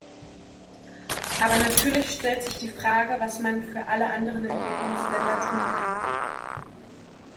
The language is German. Aber natürlich stellt sich die Frage, was man für alle anderen Entwicklungsländer tun kann.